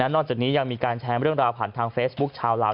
นอกจากนี้ยังมีการแชร์เรื่องราวผ่านทางเฟซบุ๊คชาวลาว